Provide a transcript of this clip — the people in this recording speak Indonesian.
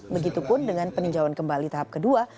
begitu pun dengan peninjauan kembali tahap kedua